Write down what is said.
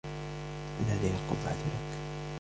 هل هذه القبعة لك ؟